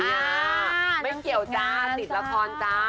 ไม่เกี่ยวจ้าติดละครจ้า